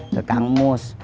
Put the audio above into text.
ke kang mus